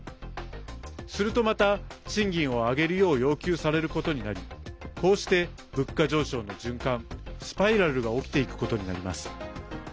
すると、また賃金を上げるよう要求されることになりこうして物価上昇の循環スパイラルが起きていくことになります。